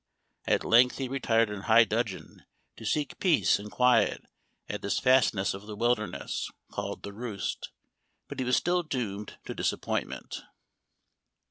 At length he retired in high dudgeon to seek peace and quiet at this fastness of the wilderness Memoir of Washington Irving. 259 called ' The Roost,' but he was still doomed to disappointment.